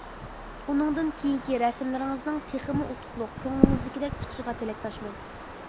بۇنىڭدىن كېيىنكى رەسىملىرىڭىزنىڭ تېخىمۇ ئۇتۇقلۇق، كۆڭلىڭىزدىكىدەك چىقىشىغا تىلەكداشمەن.